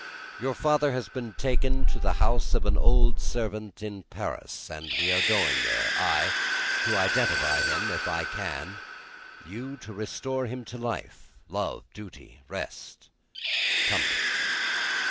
Your father has been taken to the house of an old servant in Paris, and we are going there: I, to identify him if I can: you, to restore him to life, love, duty, rest, comfort."